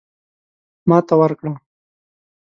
ماته ورکړه.